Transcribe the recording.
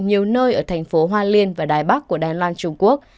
nhiều nơi ở thành phố hoa liên và đài bắc của đài loan trung quốc